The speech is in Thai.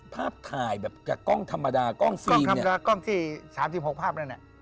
ภาพถ่ายกับกล้องธรรมดากล้องที่๓๖ภาพ